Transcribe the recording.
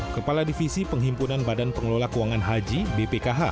kepala divisi penghimpunan badan pengelola keuangan haji bpkh